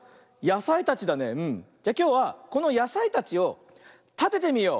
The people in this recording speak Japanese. じゃきょうはこのやさいたちをたててみよう。